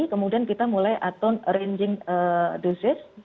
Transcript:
kemudian kita mulai atur ranging dosis